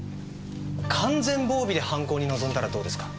完全防備で犯行に臨んだらどうですか？